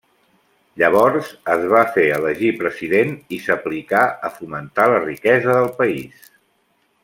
Llavors es va fer elegir president i s'aplicà a fomentar la riquesa del país.